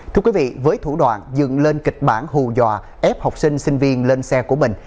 thưa quý vị với thủ đoạn dừng lên kịch bản hù dọa ép học sinh sinh viên lên xe của mình